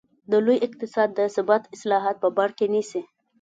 د لوی اقتصاد د ثبات اصلاحات په بر کې نیسي.